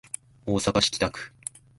大阪市北区